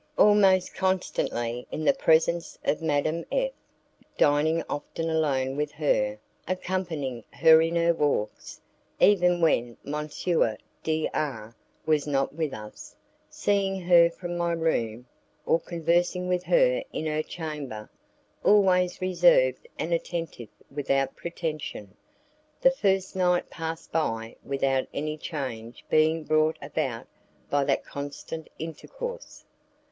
Almost constantly in the presence of Madame F , dining often alone with her, accompanying her in her walks, even when M. D R was not with us, seeing her from my room, or conversing with her in her chamber, always reserved and attentive without pretension, the first night passed by without any change being brought about by that constant intercourse.